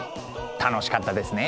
楽しかったですね。